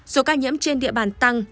số ca nhiễm trên địa bàn tăng